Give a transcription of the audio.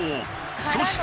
そして。